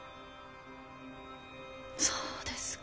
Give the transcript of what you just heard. そうですか。